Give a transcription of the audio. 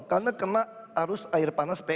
karena kena arus air panas prtu